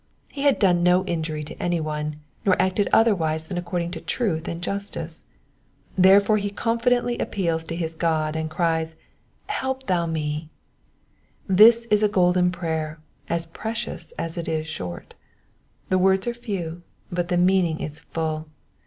He had done no injury to anyone, nor acted otherwise than according to truth and justice ; therefore he con fidently appeals to his God, and cries, ife/p thou me,'*'* This is a golden prayer, as precious as it is short. The words are few, but the meaning is full.